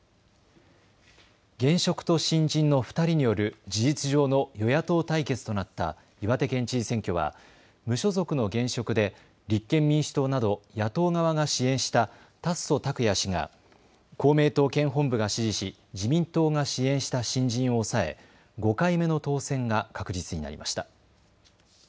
現職と新人の２人による事実上の与野党対決となった岩手県知事選挙は無所属の現職で立憲民主党など野党側が支援した達増拓也氏が公明党県本部が支持し自民党が支援した新人を抑え５回目の当選が確実になりました。